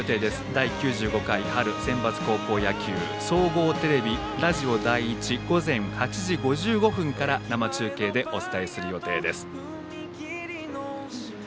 第９５回春センバツ高校野球総合テレビ、ラジオ第１午前８時５５分から生中継でお伝えする予定です。